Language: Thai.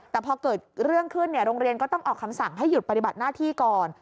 แต่พอเกิดเรื่องขึ้นโรงเรียนก็ต้องออกคำสั่งให้หยุดปฏิบัติหน้าที่ก่อน